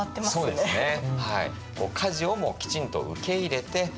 そうですね。